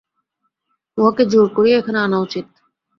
উহাকে জোর করিয়া এখানে আনা উচিত।